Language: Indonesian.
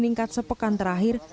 di meningkat sepekan terakhir